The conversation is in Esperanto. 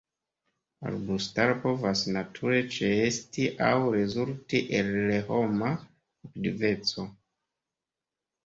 Arbustaro povas nature ĉeesti aŭ rezulti el homa aktiveco.